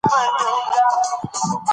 پیسې وګټه خپلوان به دې بی حده ډېر سي.